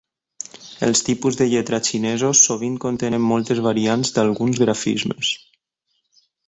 Els tipus de lletra xinesos sovint contenen moltes variants d'alguns grafismes.